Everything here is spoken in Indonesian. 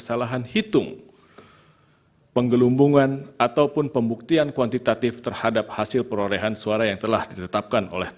oportunitas ita frykan myanmar penghidupan prem sultan suwan yang bendainkah dimenggstellung ap alt